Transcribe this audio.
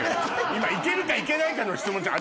今いけるかいけないかの質問じゃ。